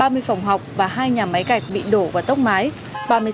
ba mươi phòng học và hai nhà máy gạch bị đổ và tốc mái